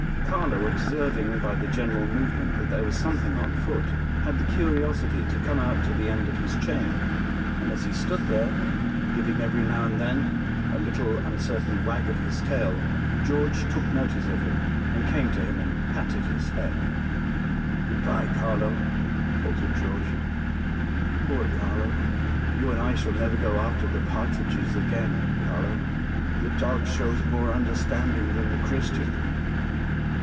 Carlo, observing by the general movement that there was something on foot, had the curiosity to come out to the end of his chain, and as he stood there, giving every now and then a little uncertain wag of his tail, George took notice of him and came to him and patted his head. "Good by, Carlo," faltered George, "poor Carlo you and I shall never go after the partridges again, Carlo. The dog shows more understanding than the Christian.